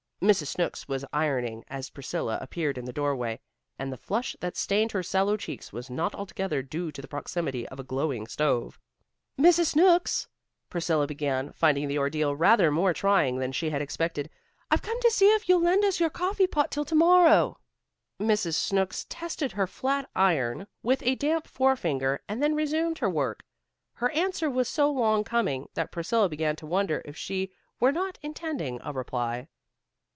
Mrs. Snooks was ironing as Priscilla appeared in the doorway, and the flush that stained her sallow cheeks was not altogether due to the proximity of a glowing stove. "Mrs. Snooks," Priscilla began, finding the ordeal rather more trying than she had expected, "I've come to see if you'll lend us your coffee pot till to morrow." Mrs. Snooks tested her flat iron with a damp forefinger, and then resumed her work. Her answer was so long coming that Priscilla began to wonder if she were not intending to reply.